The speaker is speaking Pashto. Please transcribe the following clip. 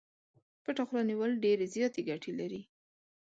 پټه خوله نيول ډېرې زياتې ګټې لري.